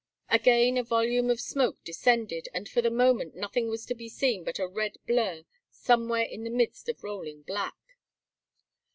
Again a volume of smoke descended, and for the moment nothing was to be seen but a red blur somewhere in the midst of rolling black.